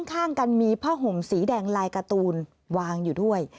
ข้างกันมีผ้าห่มสีแดงลายการ์ตูนวางอยู่ด้วย